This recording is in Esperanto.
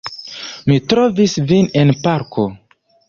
Mi trovis vin en parko!